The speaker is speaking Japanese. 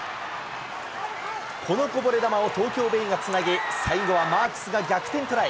このこぼれ球を東京ベイがつなぎ、最後はマークスが逆転トライ。